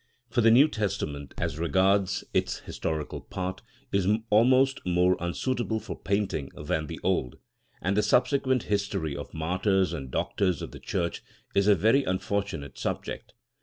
For the New Testament, as regards its historical part, is almost more unsuitable for painting than the Old, and the subsequent history of martyrs and doctors of the church is a very unfortunate subject.